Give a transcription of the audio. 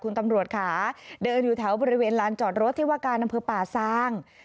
คุณตำรวจค่ะเดินอยู่แถวบริเวณลานจอดรถที่ว่าการอำเภอป่าซาง